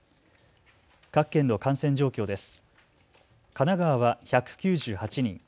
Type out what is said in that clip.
各県の感染状況です。